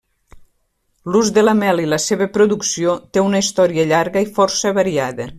L'ús de la mel i la seva producció té una història llarga i força variada.